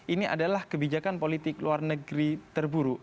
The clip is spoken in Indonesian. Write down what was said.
ini adalah kebijakan politik luar negeri terburuk